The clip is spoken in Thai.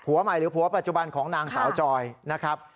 ใหม่หรือผัวปัจจุบันของนางสาวจอยนะครับ